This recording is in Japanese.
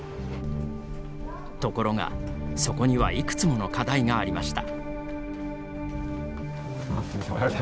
ところが、そこにはいくつもの課題がありました。